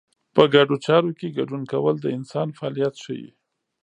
په ګډو چارو کې ګډون کول د انسان فعالیت ښيي.